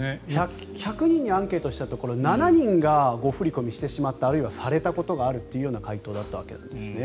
１００人にアンケートしたところ７人が誤振り込みしてしまったあるいはされたことがあるというような回答だったわけです。